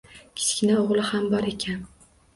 Kichkina oʻgʻli ham bor ekan.